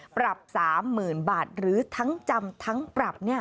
ปรับ๓๐๐๐๐บาทหรือทั้งจำทั้งปรับ